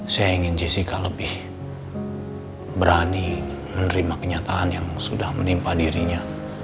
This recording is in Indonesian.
saya ingin jessica lebih berani menerima kenyataan yang sudah menimpa dirinya